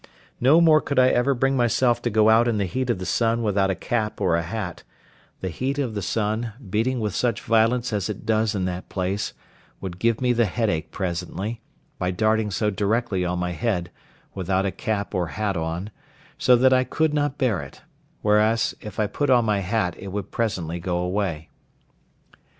No more could I ever bring myself to go out in the heat of the sun without a cap or a hat; the heat of the sun, beating with such violence as it does in that place, would give me the headache presently, by darting so directly on my head, without a cap or hat on, so that I could not bear it; whereas, if I put on my hat it would presently go away.